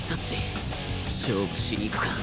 勝負しに行くか？